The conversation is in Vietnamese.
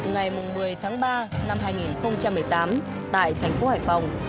ngày một mươi tháng ba năm hai nghìn một mươi tám tại thành phố hải phòng